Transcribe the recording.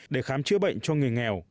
để khám chữa bệnh cho người nghèo